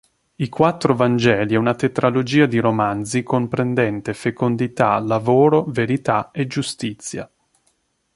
I quattro Vangeli è una tetralogia di romanzi, comprendente "Fecondità", "Lavoro", "Verità" e "Giustizia".